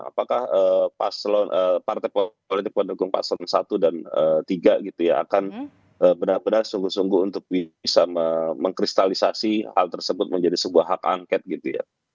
apakah partai politik pendukung paslon satu dan tiga gitu ya akan benar benar sungguh sungguh untuk bisa mengkristalisasi hal tersebut menjadi sebuah hak angket gitu ya